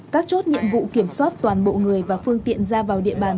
các chốt nhiệm vụ kiểm soát toàn bộ người và phương tiện ra vào địa bàn